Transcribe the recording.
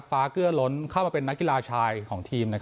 เกื้อล้นเข้ามาเป็นนักกีฬาชายของทีม